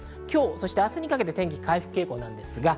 今日、そして明日にかけて天気は回復傾向です。